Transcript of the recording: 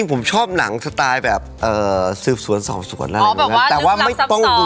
ผมชอบหนังสไตล์แบบสืบสวนสอบสวน